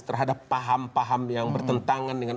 terhadap paham paham yang bertentangan dengan